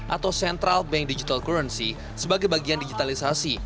atau central bank digital currency sebagai bagian digitalisasi